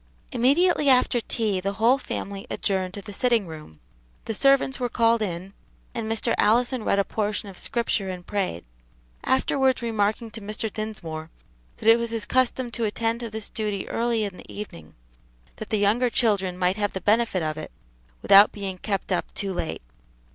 Immediately after tea the whole family adjourned to the sitting room, the servants were called in, and Mr. Allison read a portion of Scripture and prayed; afterwards remarking to Mr. Dinsmore that it was his custom to attend to this duty early in the evening, that the younger children might have the benefit of it without being kept up too late.